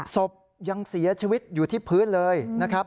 ศพยังเสียชีวิตอยู่ที่พื้นเลยนะครับ